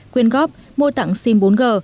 quyên góp mua tặng sim bốn g